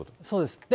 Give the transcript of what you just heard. そうです。